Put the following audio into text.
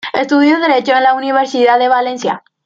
Estudió derecho en la Universidad de Valencia.